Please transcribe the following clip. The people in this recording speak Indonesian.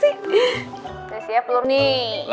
udah siap lho